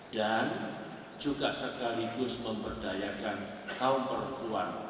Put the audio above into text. dan juga sekaligus memperdayakan kaum perempuan